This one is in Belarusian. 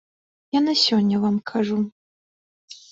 Я на сёння вам кажу.